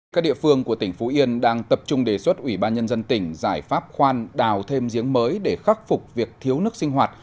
các địa phương của tỉnh phú yên đang tập trung đề xuất ủy ban nhân dân tỉnh giải pháp khoan đào thêm giếng mới để khắc phục việc thiếu nước sinh hoạt